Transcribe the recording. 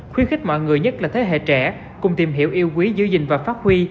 khuyến khích mọi người nhất là thế hệ trẻ cùng tìm hiểu yêu quý giữ gìn và phát huy